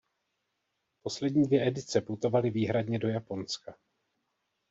Poslední dvě edice putovaly výhradně do Japonska.